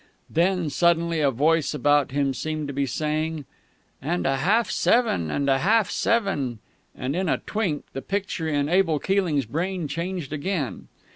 Then suddenly a voice about him seemed to be saying, "_And a half seven and a half seven _" and in a twink the picture in Abel Keeling's brain changed again.